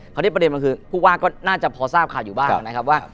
ที่ประเด็นมันคือผู้ว่าก็น่าจะพอทราบข่าวอยู่บ้างนะครับว่า